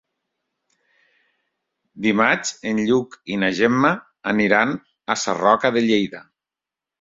Dimarts en Lluc i na Gemma aniran a Sarroca de Lleida.